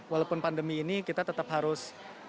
walaupun pandemi ini kita tetap harus